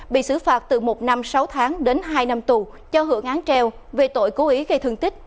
bị xử phạt từ một năm sáu tháng đến hai năm tù cho hưởng án treo về tội cố ý gây thương tích